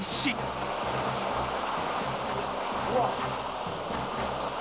うわっ。